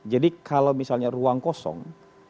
jadi kalau misalnya ruang kosong